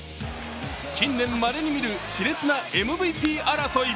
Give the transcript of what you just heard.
近年まれにみるしれつなＭＶＰ争い。